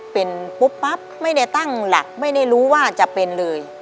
เป็นปุ๊บปั๊บไม่ได้ตั้งหลักไม่ได้รู้ว่าจะเป็นเลย